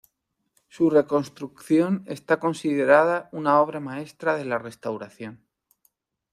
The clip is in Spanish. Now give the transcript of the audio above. Su reconstrucción está considerada una obra maestra de la restauración.